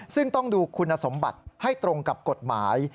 ซึ่งต้องดูคุณสมบัติให้ตรงกับกฎหมาย